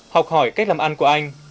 học hỏi cách làm ăn của anh